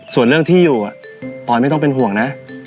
ส่วนเรื่องที่อยู่ปอยไม่ต้องเป็นห่วงนะ